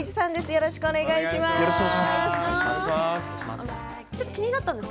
よろしくお願いします。